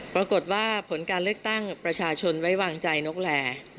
ปรากฏว่าผลการเลือกตั้งประชาชนไว้วางใจนกแล